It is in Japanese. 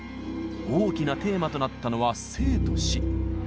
大きなテーマとなったのは「生と死」。